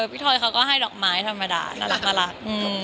ถอยเขาก็ให้ดอกไม้ธรรมดาน่ารัก